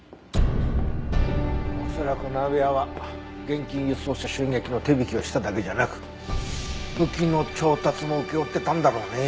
恐らく鍋谷は現金輸送車襲撃の手引きをしただけじゃなく武器の調達も請け負ってたんだろうねえ。